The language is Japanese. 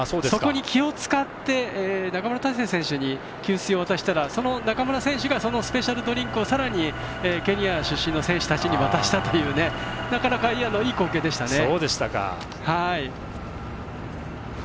そこに気を使って中村大成選手に給水を渡したらその中村選手がそのスペシャルドリンクをさらにケニア出身の選手たちに渡したというなかなか、いい光景でした。